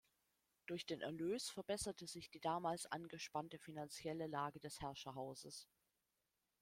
Durch den Erlös verbesserte sich die damals angespannte finanzielle Lage des Herrscherhauses.